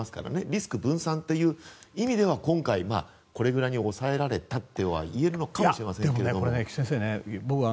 リスク分散という意味では今回これくらいに抑えられたとはいえるのかもしれませんが。